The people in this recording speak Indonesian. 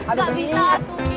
paling suka au is our best